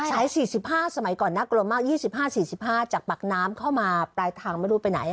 สาย๔๕สมัยก่อนน่ากลัวมาก๒๕๔๕จากปากน้ำเข้ามาปลายทางไม่รู้ไปไหน